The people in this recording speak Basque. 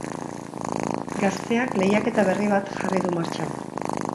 Gazteak lehiaketa berri bat jarri du martxan.